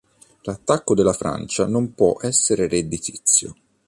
L'attacco della Francia non può essere redditizio.